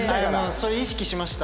それ意識しました。